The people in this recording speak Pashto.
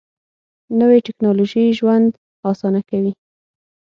نوې ټیکنالوژي ژوند اسانه کوي